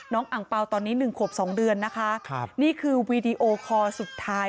น้องอังเป้าตอนนี้๑ขบ๒เดือนนะคะนี่คือวีดีโอคอร์สุดท้าย